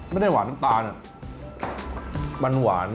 ไม่ได้หวานน้ำตาลมันหวาน